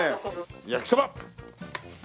焼きそば。